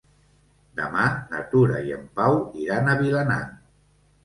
Demà na Tura i en Pau iran a Vilanant.